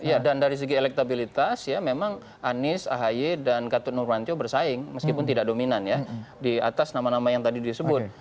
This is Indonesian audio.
ya dan dari segi elektabilitas ya memang anies ahy dan gatot nurwantyo bersaing meskipun tidak dominan ya di atas nama nama yang tadi disebut